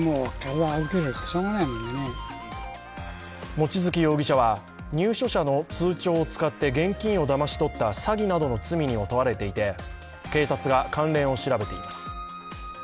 望月容疑者は入所者の通帳を使って現金をだまし取った詐欺などの罪にも問われていて警察が関連を調べています。